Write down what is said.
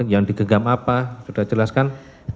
yang digenggam apa sudah jelaskan